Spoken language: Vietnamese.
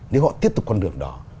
nếu họ tiếp tục con đường đó